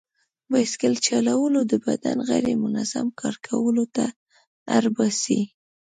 بایسکل چلول د بدن غړي منظم کار کولو ته اړ باسي.